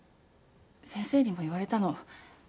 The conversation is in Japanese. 先生にも言われたの。